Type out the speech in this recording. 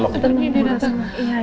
ketemu di depan